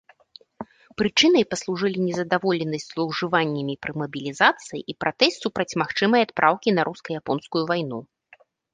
Прычынай паслужылі незадаволенасць злоўжываннямі пры мабілізацыі і пратэст супраць магчымай адпраўкі на руска-японскую вайну.